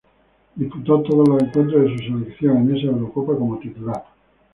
Disputó todos los encuentros de su selección en esa Eurocopa como titular.